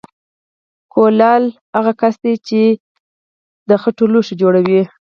کولال هغه کس دی چې خټین لوښي جوړوي